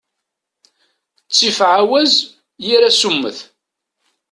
Ttif ɛawaz, yir asummet.